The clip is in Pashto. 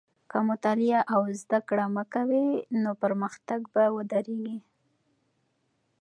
که مطالعه او زده کړه مه کوې، نو پرمختګ به ودرېږي.